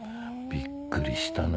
びっくりしたのよ。